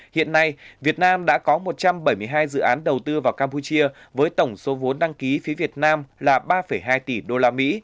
hiện nay việt nam đã có một trăm bảy mươi hai dự án đầu tư vào campuchia với tổng số vốn đăng ký phía việt nam là ba hai tỷ usd